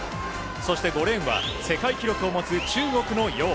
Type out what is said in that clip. そして５レーンは世界記録を持つ中国のヨウ。